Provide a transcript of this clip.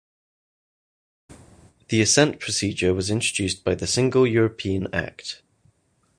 The assent procedure was introduced by the Single European Act.